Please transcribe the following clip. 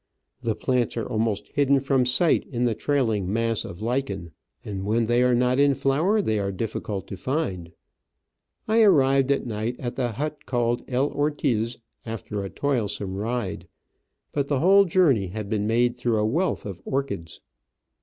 The plants are almost hidden from sight in the trailing mass of lichen, and when they are not in flower they are difficult to find. I arrived at night at the hut called El Ortiz, after a toilsome ride, but the whole journey had been made through a wealth of orchids.